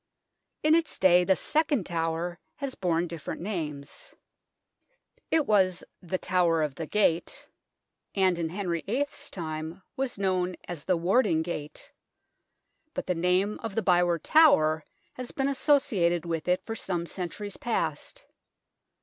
In its day the second tower has borne different names. It was " the Tower of the 144 THE TOWER OF LONDON Gate," and in Henry VIII's time was known as the Warding Gate, but the name of the Byward Tower has been associated with it for some centuries past.